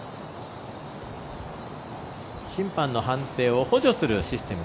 審判の判定を補助するシステム。